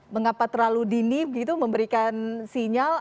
mengapa terlalu dini gitu memberikan sinyal